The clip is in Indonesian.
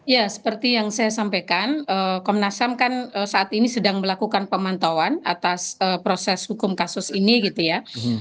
ya seperti yang saya sampaikan komnas ham kan saat ini sedang melakukan pemantauan atas proses hukum kasus ini gitu ya